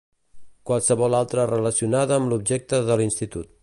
Qualsevol altra relacionada amb l'objecte de l'Institut.